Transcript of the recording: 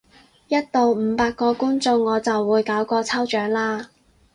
一到五百個觀眾我就會搞個抽獎喇！